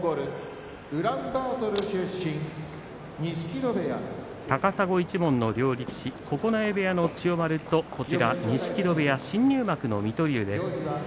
柝きの音高砂一門の両力士九重部屋の千代丸と錦戸部屋、新入幕の水戸龍です。